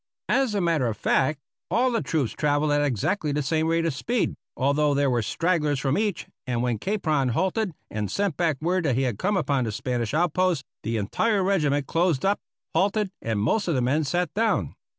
As a matter of fact, all the troops travelled at exactly the same rate of speed, although there were stragglers from each, and when Capron halted and sent back word that he had come upon the Spanish outpost, the entire regiment closed up, halted, and most of the men sat down.